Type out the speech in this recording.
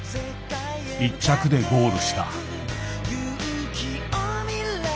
１着でゴールした。